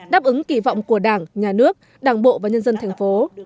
đáp ứng kỳ vọng của đảng nhà nước đảng bộ và nhân dân thành phố